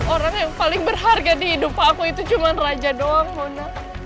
orang yang paling berharga di hidup aku itu cuma raja doang mono